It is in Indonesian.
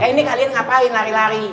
ini kalian ngapain lari lari